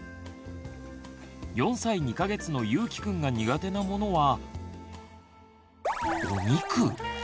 ４歳２か月のゆうきくんが苦手なものは。